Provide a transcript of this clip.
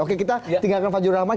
oke kita tinggalkan fadjur rahman